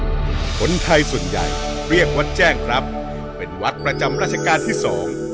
คนไทยส่วนใหญ่เรียกวัดแจ้งครับเป็นวัดประจำราชการที่สอง